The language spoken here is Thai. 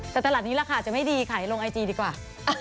แต่ตลาดนี้ราคาจะไม่ดีขายลงไอจีดีกว่า